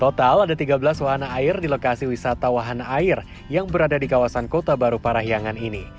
total ada tiga belas wahana air di lokasi wisata wahana air yang berada di kawasan kota baru parahyangan ini